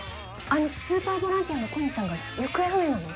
あのスーパーボランティアの小西さんが行方不明なの？